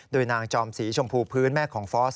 โดยนางจอมสีชมพูพื้นแม่ของฟอส